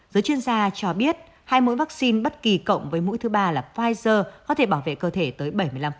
giới chuyên gia cho biết hai mũi vaccine bất kỳ cộng với mũi thứ ba là pfizer có thể bảo vệ cơ thể tới bảy mươi năm